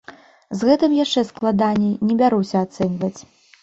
З гэтым яшчэ складаней, не бяруся ацэньваць.